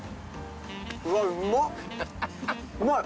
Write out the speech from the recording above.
うわ。